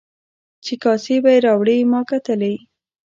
چې کاسې به یې راوړلې ما کتلې.